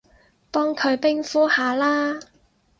幫佢冰敷下啦